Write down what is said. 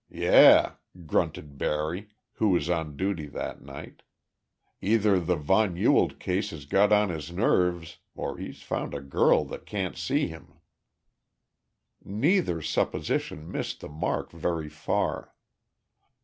"Yeh," grunted Barry, who was on duty that night, "either the von Ewald case's got on his nerves or he's found a girl that can't see him." Neither supposition missed the mark very far.